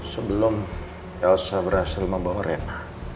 sebelum elsa berhasil membawa rena